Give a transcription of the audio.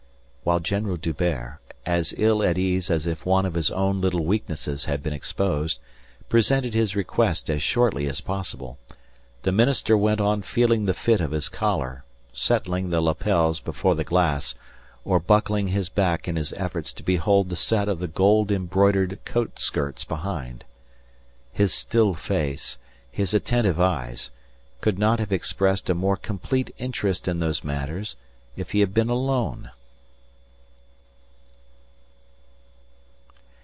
While General D'Hubert, as ill at ease as if one of his own little weaknesses had been exposed, presented his request as shortly as possible, the minister went on feeling the fit of his collar, settling the lappels before the glass or buckling his back in his efforts to behold the set of the gold embroidered coat skirts behind. His still face, his attentive eyes, could not have expressed a more complete interest in those matters if he had been alone.